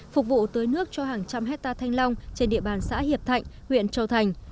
phục vụ tưới nước cho hàng trăm hectare thanh long trên địa bàn xã hiệp thạnh huyện châu thành